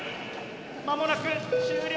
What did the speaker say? まもなく終了！